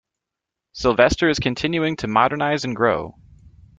Sylvester is continuing to modernize and grow.